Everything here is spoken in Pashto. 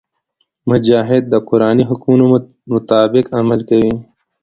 مجاهد د قرآني حکمونو مطابق عمل کوي.